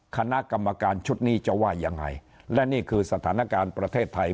คณะกรรมการชุดนี้จะว่ายังไงและนี่คือสถานการณ์ประเทศไทย